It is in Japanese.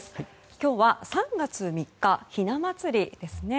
今日は３月３日ひな祭りですね。